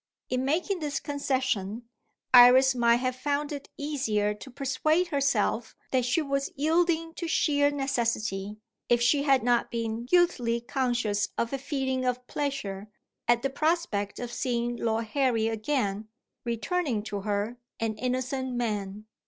In making this concession, Iris might have found it easier to persuade herself that she was yielding to sheer necessity, if she had not been guiltily conscious of a feeling of pleasure at the prospect of seeing Lord Harry again, returning to her an innocent man.